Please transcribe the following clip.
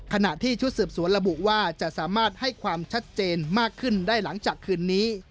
ขณะที่ชุดสืบสวนระบุว่าจะสามารถให้ความชัดเจนมากขึ้นได้หลังจากคืนนี้